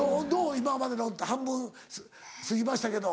今までの半分過ぎましたけど。